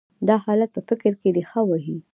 دا حالت په فکر کې رېښه وهي.